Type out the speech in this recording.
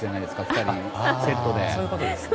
２人セットで。